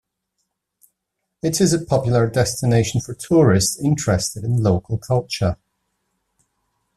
It is a popular destination for tourists interested in local culture.